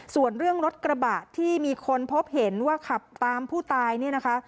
ส่วนเรื่องรถกระบะที่มีคนพบเห็นว่าขับตามผู้ตายเนี่ยนะคะ